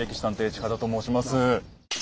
近田と申します。